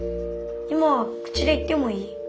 今口で言ってもいい？